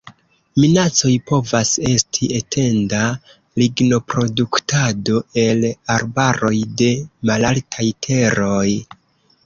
Minacoj povas esti etenda lignoproduktado el arbaroj de malaltaj teroj.